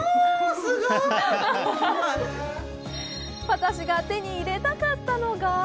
私が手に入れたかったのが？